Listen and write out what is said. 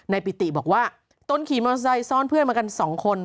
ปิติบอกว่าตนขี่มอเตอร์ไซค์ซ้อนเพื่อนมากันสองคน